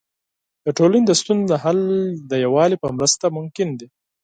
د ټولنې د ستونزو حل د یووالي په مرسته ممکن دی.